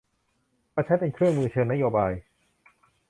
มาใช้เป็นเครื่องมือเชิงนโยบาย